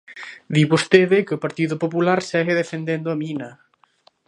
Di vostede que o Partido Popular segue defendendo a mina.